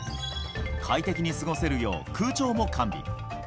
快適に過ごせるよう、空調も完備。